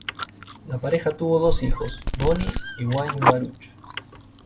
La pareja tuvo dos hijos: Bonnie y Wayne Baruch.